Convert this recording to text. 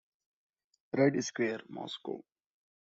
"Red Square, Moscow".